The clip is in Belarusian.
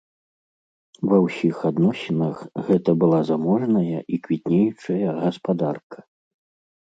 Ва ўсіх адносінах гэта была заможная і квітнеючая гаспадарка.